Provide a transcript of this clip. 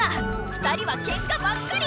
２人はけんかばっかり！